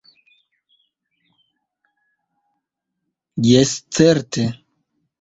Jes, certe!